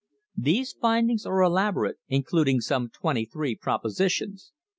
These findings are elaborate, including some twenty three propositions.